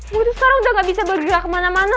gue tuh sekarang udah gak bisa bergerak kemana mana